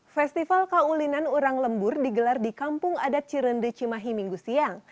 festival kaulinan orang lembur digelar di kampung adat cirendecimahi minggu siang